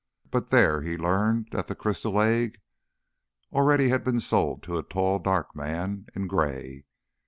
But there he learned that the crystal egg had already been sold to a tall, dark man in grey.